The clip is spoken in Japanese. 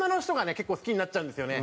結構好きになっちゃうんですよね。